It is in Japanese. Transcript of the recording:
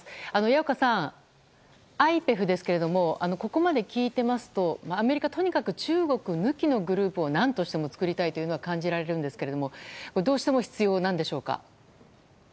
矢岡さん、ＩＰＥＦですけどもここまで聞いてますとアメリカはとにかく中国抜きのグループを何としても作りたいというのが感じられますがどうしても必要なんでしょうか。